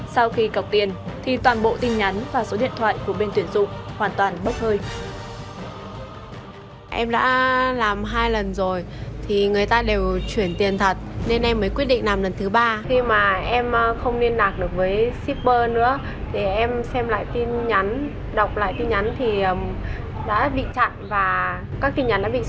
sau khi cọc tiền thì toàn bộ tin nhắn và số điện thoại của bên tuyển dụng hoàn toàn bốc hơi